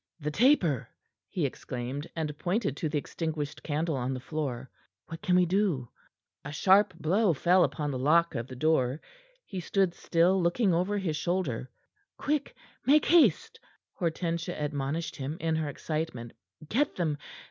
"The taper!" he exclaimed, and pointed to the extinguished candle on the floor. "What can we do?" A sharp blow fell upon the lock of the door. He stood still, looking over his shoulder. "Quick! Make haste!" Hortensia admonished him in her excitement. "Get them!